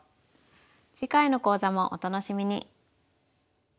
次回の講座もお楽しみに。